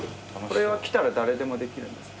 これは来たら誰でもできるんですか？